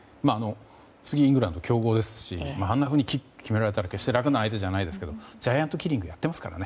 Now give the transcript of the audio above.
次、イングランド強豪ですしあんなふうにキック決められたら決して楽な相手じゃないですけどジャイアントキリングやっていますからね